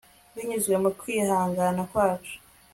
binyuze mu kwihangana kwacu